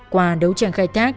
qua đấu tranh khai tác